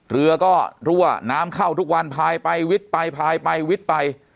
เรือก็รั่วน้ำเข้าทุกวันพายไปวิทย์ไปพายไปวิทย์ไป